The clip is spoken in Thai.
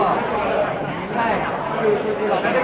ก็ใช่ครับคือคือ